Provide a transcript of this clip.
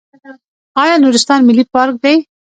آیا نورستان ملي پارک دی؟